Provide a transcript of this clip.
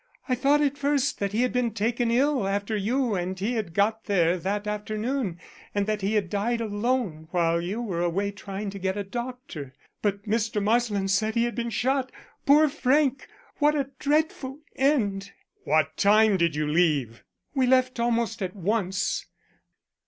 I thought at first that he had been taken ill after you and he got there that afternoon, and that he had died alone while you were away trying to get a doctor. But Mr. Marsland said he had been shot. Poor Frank! What a dreadful end." "What time did you leave?" "We left almost at once.